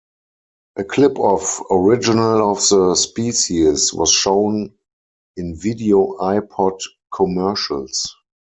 A clip of "Original of the Species" was shown in video iPod commercials.